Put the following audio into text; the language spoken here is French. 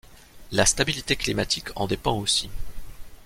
La stabilité climatique en dépend aussi.